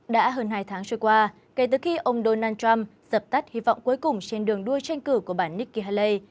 đã hơn hai tháng trôi qua kể từ khi ông donald trump dập tắt hy vọng cuối cùng trên đường đua tranh cử của bản nikki haley